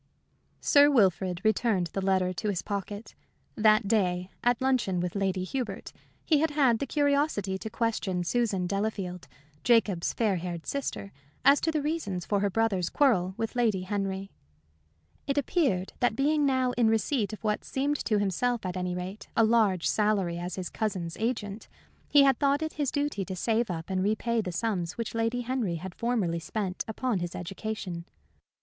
Sir Wilfrid returned the letter to his pocket. That day, at luncheon with Lady Hubert, he had had the curiosity to question Susan Delafield, Jacob's fair haired sister, as to the reasons for her brother's quarrel with Lady Henry. It appeared that being now in receipt of what seemed to himself, at any rate, a large salary as his cousin's agent, he had thought it his duty to save up and repay the sums which Lady Henry had formerly spent upon his education.